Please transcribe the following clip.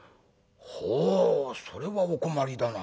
「ほうそれはお困りだな。